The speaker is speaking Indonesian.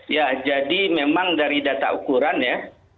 ya jadi memang dari data ukuran ya